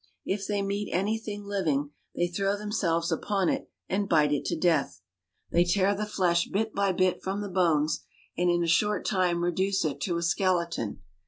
If they meet anything living, they throw themselves upon it and bite it to death. They tear the flesh bit by bit from the bones, and in a short time reduce it to a skeleton.